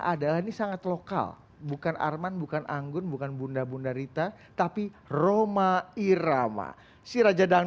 adalah nih sangat lokal bukan arman bukan anggun bukan bunda bunda rita tapi roma irama sira jadang